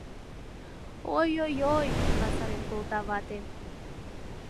— Ой-ой-ой! — васарен колта вате.